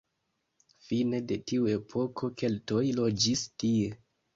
Fine de tiu epoko keltoj loĝis tie.